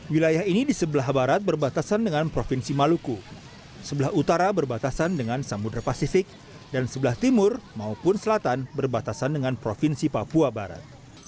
wilayah ini di sebelah barat berbatasan dengan provinsi maluku sebelah utara berbatasan dengan samudera pasifik dan sebelah timur maupun selatan berbatasan dengan provinsi papua barat